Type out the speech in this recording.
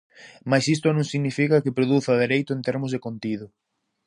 Mais isto non significa que produza dereito en termos de contido.